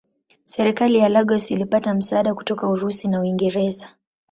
Serikali ya Lagos ilipata msaada kutoka Urusi na Uingereza.